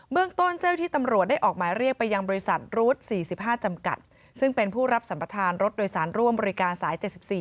เมืองต้นเจ้าที่ตำรวจได้ออกหมายเรียกไปยังบริษัทรูด๔๕จำกัดซึ่งเป็นผู้รับสัมประธานรถโดยสารร่วมบริการสาย๗๔